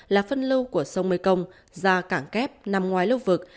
là phân lâu của sông mê công ra cảng kép nằm ngoài lâu vực